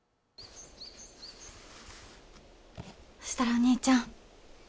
そしたらお兄ちゃん。